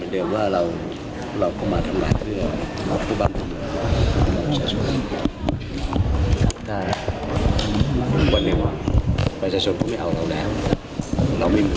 ได้คุยกับนายยกนัทรีย์ด้วยตรงยังไง